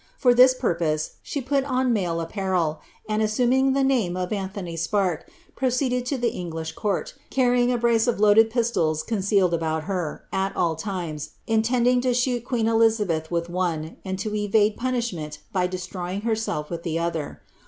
For ihis purpose she put on male apparel, and, assuming the name of Anihony Sparke, proceeded to the English court, carrj'ing a brace of loaded pis tols concealed about her, at all times, intending to shoot queen Elizabelh with one, and to evade punishment by destroying herself with the oiher.